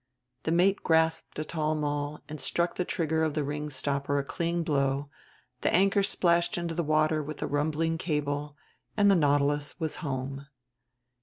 The mate grasped a top maul and struck the trigger of the ring stopper a clean blow, the anchor splashed into the water with a rumbling cable, and the Nautilus was home.